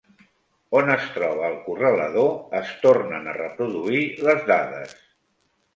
On es troba el correlador es tornen a reproduir les dades.